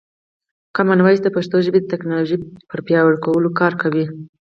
کامن وایس د پښتو ژبې د ټکنالوژۍ پر پیاوړي کولو کار کوي.